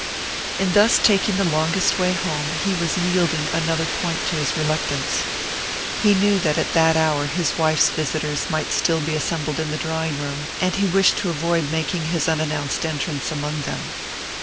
In thus taking the longest way home he was yielding another point to his reluctance. He knew that at that hour his wife's visitors might still be assembled in the drawing room, and he wished to avoid making his unannounced entrance among them.